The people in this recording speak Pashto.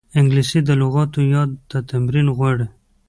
انګلیسي د لغاتو یاد ته تمرین غواړي